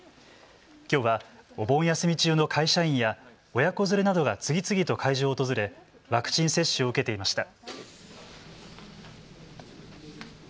きょうはお盆休み中の会社員や親子連れなどが次々と会場を訪れワクチン接種を受けていました。